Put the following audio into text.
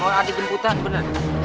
mau adik bingkutan beneran